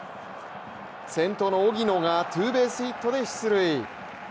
先頭の荻野がツーベースヒットで出塁。